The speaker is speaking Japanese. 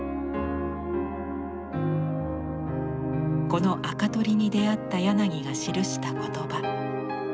この「垢取り」に出会った柳が記した言葉。